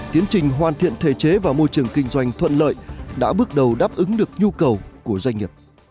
tiến trình hoàn thiện thể chế và môi trường kinh doanh thuận lợi đã bước đầu đáp ứng được nhu cầu của doanh nghiệp